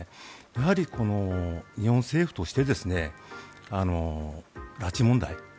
やはり、日本政府として拉致問題